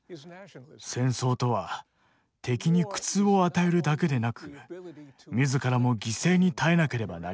戦争とは敵に苦痛を与えるだけでなく自らも犠牲に耐えなければなりません。